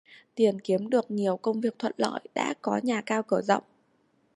Tiền kiếm được nhiều công việc thuận lợi đã có nhà cao cửa rộng